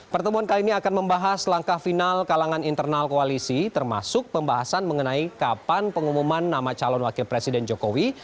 pertemuan kali ini akan membahas langkah final kalangan internal koalisi termasuk pembahasan mengenai kapan pengumuman nama calon wakil presiden jokowi